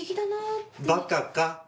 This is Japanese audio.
バカか？